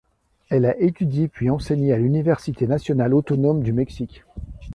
Elle a étudié puis enseigné à l'université nationale autonome du Mexique.